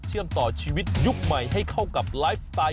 ต่อชีวิตยุคใหม่ให้เข้ากับไลฟ์สไตล์